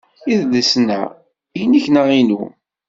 Idlisen-a inekk neɣ inu?